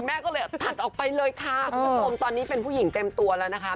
แม่ก็เลยตัดออกไปเลยค่ะคุณผู้ชมตอนนี้เป็นผู้หญิงเต็มตัวแล้วนะคะ